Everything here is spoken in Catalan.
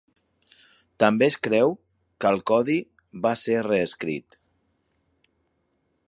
També es creu que el codi va ser reescrit.